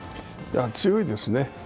強いですね。